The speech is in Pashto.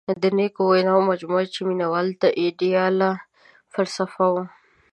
• د نیکو ویناوو مجموعه یې مینوالو ته آیډیاله فلسفه وه.